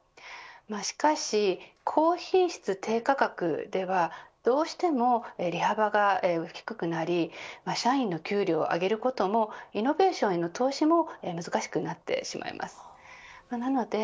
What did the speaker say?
しかし、高品質、低価格ではどうしても利幅が低くなり社員の給料を上げることもイノベーションへの投資も難しくなってしまうのです。